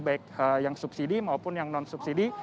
baik yang subsidi maupun yang non subsidi